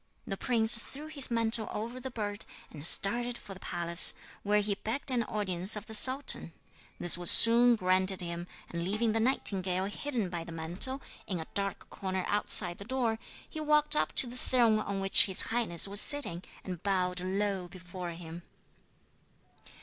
The prince threw his mantle over the bird, and started for the palace, where he begged an audience of the sultan. This was soon granted him, and leaving the nightingale hidden by the mantle, in a dark corner outside the door, he walked up to the throne on which his highness was sitting, and bowed low before him.